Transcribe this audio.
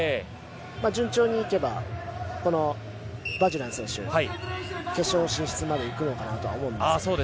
順調にいけばこのバジュラン選手決勝進出まで行くのかなと思うんですが。